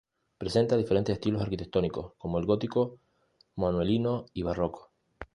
Presenta diferentes estilos arquitectónicos como el gótico, manuelino y barroco.